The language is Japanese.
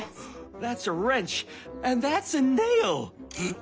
ん？